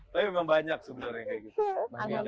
tapi memang banyak sebenarnya kayak gitu